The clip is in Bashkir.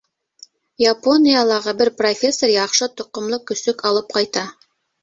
Япониялағы бер профессор яҡшы тоҡомло көсөк алып ҡайта.